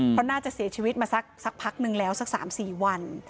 เพราะน่าจะเสียชีวิตมาสักพักนึงแล้วสัก๓๔วัน